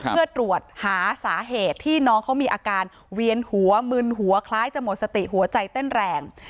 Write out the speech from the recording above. เพื่อตรวจหาสาเหตุที่น้องเขามีอาการเวียนหัวมึนหัวคล้ายจะหมดสติหัวใจเต้นแรง